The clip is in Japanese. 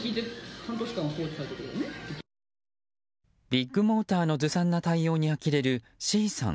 ビッグモーターのずさんな対応にあきれるＣさん